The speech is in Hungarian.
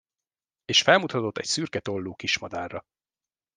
És felmutatott egy szürke tollú kis madárra.